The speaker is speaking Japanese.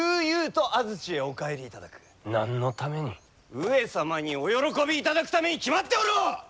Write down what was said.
上様にお喜びいただくために決まっておろう！